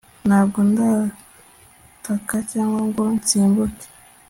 Ntabwo ndataka cyangwa ngo nsimbuke